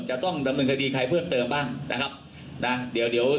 จะต้องดำเนินคดีใครเพิ่มเติมบ้างนะครับนะเดี๋ยวเดี๋ยว